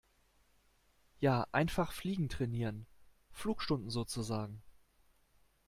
Ja, einfach fliegen trainieren. Flugstunden sozusagen.